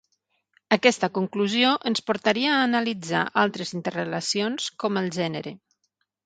Aquesta conclusió ens portaria a analitzar altres interrelacions com el gènere.